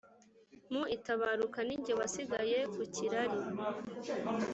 mu itabaruka ni jye wasigaye ku kirari